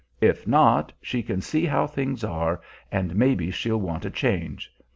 If not, she can see how things are, and maybe she'll want a change.